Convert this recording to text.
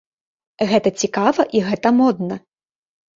Гэта цікава і гэта модна.